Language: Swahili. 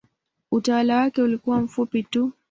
Utawala wake ulikuwa mfupi tu.